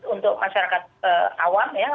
untuk masyarakat awam ya